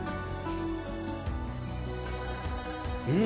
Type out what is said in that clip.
うん。